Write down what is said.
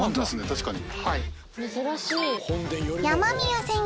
確かに。